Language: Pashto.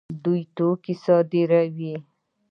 دوی دا توکي صادروي.